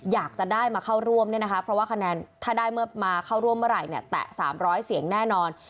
อยากจะได้มาเข้าร่วมเพราะว่าคะแนนถ้าได้มาเข้าร่วมเมื่อไหร่แตะ๓๐๐เสียงแน่นอน